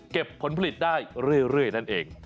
ผลผลิตได้เรื่อยนั่นเอง